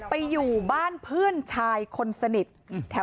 อยู่บ้านเพื่อนชายคนสนิท